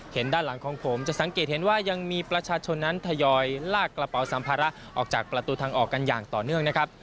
ด้านหลังของผมจะสังเกตเห็นว่ายังมีประชาชนนั้นทยอยลากกระเป๋าสัมภาระออกจากประตูทางออกกันอย่างต่อเนื่องนะครับ